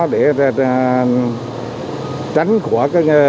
để tránh của